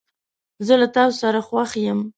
زه له تاسو سره خوښ یم.